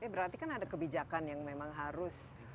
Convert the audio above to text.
berarti kan ada kebijakan yang memang harus